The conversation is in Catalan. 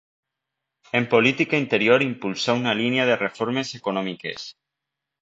En política interior impulsà una línia de reformes econòmiques.